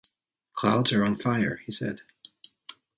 “Clouds are on fire,” he said.